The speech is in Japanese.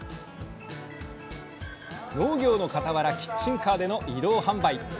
農業のかたわらキッチンカーでの移動販売。